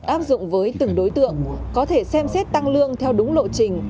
áp dụng với từng đối tượng có thể xem xét tăng lương theo đúng lộ trình